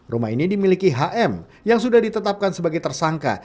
rumah ini dimiliki hm yang sudah ditetapkan sebagai tersangka